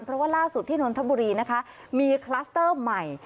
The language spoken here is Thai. เพราะว่าล่าสุดที่นนทบุรีนะคะมีคลัสเตอร์ใหม่